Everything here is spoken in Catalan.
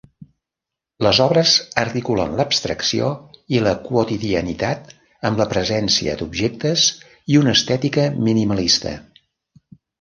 Les obres articulen l'abstracció i la quotidianitat amb la presència d'objectes i una estètica minimalista.